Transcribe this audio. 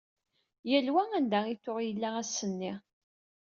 Yal wa anda i t-tuɣ yella ass-nni.